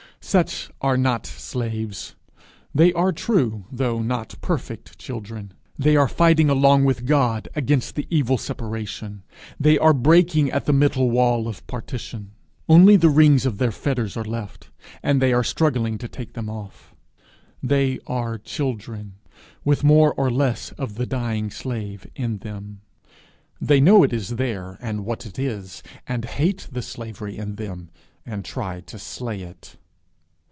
Such are not slaves; they are true though not perfect children; they are fighting along with God against the evil separation; they are breaking at the middle wall of partition. Only the rings of their fetters are left, and they are struggling to take them off. They are children with more or less of the dying slave in them; they know it is there, and what it is, and hate the slavery in them, and try to slay it.